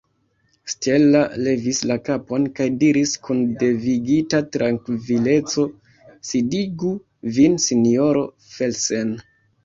Stella levis la kapon kaj diris kun devigita trankvileco: « Sidigu vin, sinjoro Felsen ».